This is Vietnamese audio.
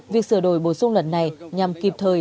việc sửa đổi bổ sung lần này nhằm kịp thời